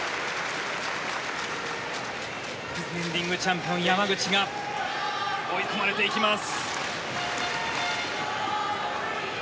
ディフェンディングチャンピオン山口が追い込まれていきます。